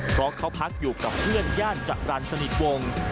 เพราะเขาพักอยู่กับเพื่อนย่านจรรย์สนิทวง